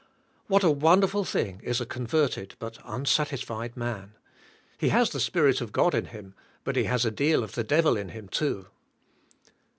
What a wonderful thing* is a con verted but unsatisfied man; he has the Spirit of God in him but he has a deal of the Devil in him, too.